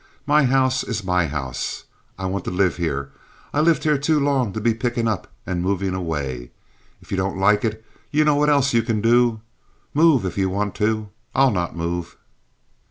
My house is my house. I want to live here. I've lived here too long to be pickin' up and movin' away. If you don't like it you know what else you can do. Move if you want to. I'll not move."